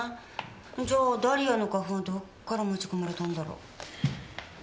じゃあダリアの花粉はどっから持ち込まれたんだろう？